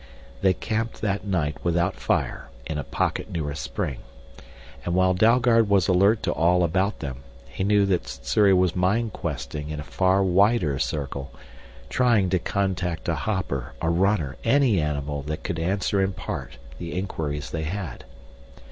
They camped that night without fire in a pocket near a spring. And while Dalgard was alert to all about them, he knew that Sssuri was mind questing in a far wider circle, trying to contact a hopper, a runner, any animal that could answer in part the inquiries they had.